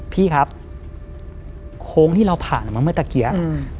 พี่ครับโค้งที่เราผ่านมาเมื่อตะกี้